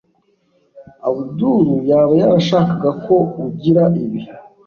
Abdul yaba yarashakaga ko ugira ibi.